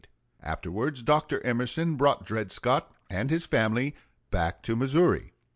Afterwards Dr. Emerson brought Dred Scott and his family back to Missouri.